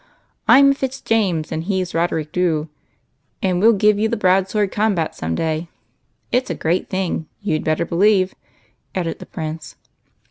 "I'm Fitzjames and he 's Roderick Dhu, and we '11 give you the broadsword combat some day. It's a great thing, you 'd better believe," added the Prince.